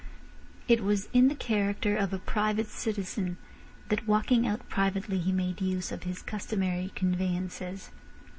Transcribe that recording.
It was in the character of a private citizen that walking out privately he made use of his customary conveyances.